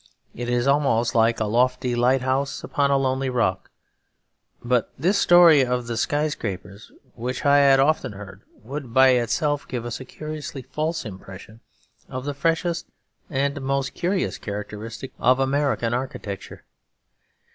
It is almost like a lofty lighthouse upon a lonely rock. But this story of the sky scrapers, which I had often heard, would by itself give a curiously false impression of the freshest and most curious characteristic of American architecture.